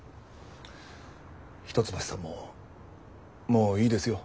一橋さんももういいですよ